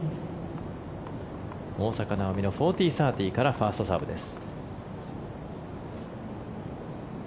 大坂なおみの４０−３０からファーストサーブです。